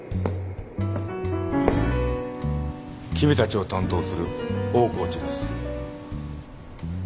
君たちを担当する大河内です。